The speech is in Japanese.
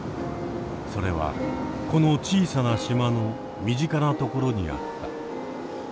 それはこの小さな島の身近なところにあった。